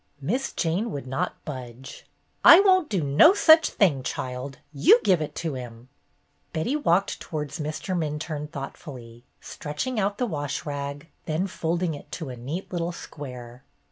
Miss Jane would not budge. "I won't do no such thing, child. You give it to him." Betty walked towards Mr. Minturne thoughtfully, stretching out the wash rag, then folding it to a neat little square.